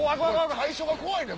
最初が怖いねん！